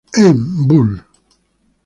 En: Bull.